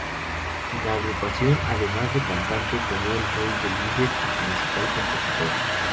En la agrupación, además de cantante, tomó el rol de líder y principal compositor.